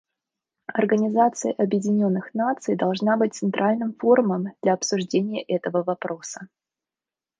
Организация Объединенных Наций должна быть центральным форумом для обсуждения этого вопроса.